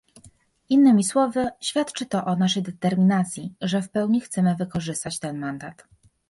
Innymi słowy, świadczy to o naszej determinacji, że w pełni chcemy wykorzystać ten mandat